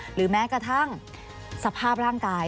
หรือแม้กระทั่งสภาพร่างกาย